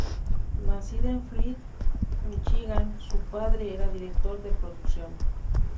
Nacida en Flint, Míchigan, su padre era director de producción.